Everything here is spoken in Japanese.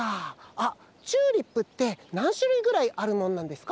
あっチューリップってなんしゅるいぐらいあるもんなんですか？